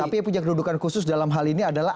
tapi yang punya kedudukan khusus dalam hal ini adalah